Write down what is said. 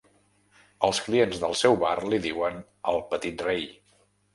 Els clients del seu bar li diuen “el petit rei”.